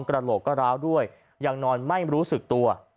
กระโหลกก็ร้าวด้วยยังนอนไม่รู้สึกตัว